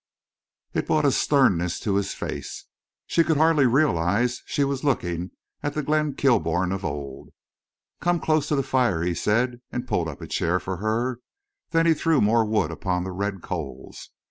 It brought a sternness to his face. She could hardly realize she was looking at the Glenn Kilbourne of old. "Come close to the fire," he said, and pulled up a chair for her. Then he threw more wood upon the red coals.